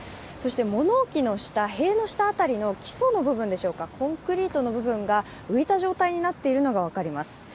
物置の下、塀の下辺りの基礎の部分でしょうかコンクリートの部分が浮いた状態になっているのが分かります。